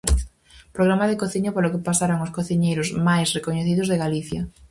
Programa de cociña polo que pasaron os cociñeiros máis recoñecidos de Galicia.